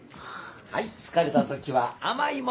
はい疲れた時は甘いもん。